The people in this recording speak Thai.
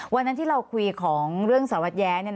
วันนั้นที่เราคุยของเรื่องสารวัตรแย้